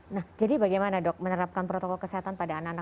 nah jadi bagaimana dok menerapkan protokol kesehatan pada anak anak